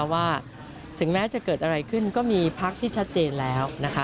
ว่าถึงแม้จะเกิดอะไรขึ้นก็มีพักที่ชัดเจนแล้ว